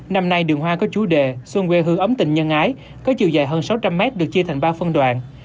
năm nay đường hoa có chú đề xuân quê hương ấm tình nhân ái có chiều dài hơn sáu trăm linh mét được chia thành ba phân đoạn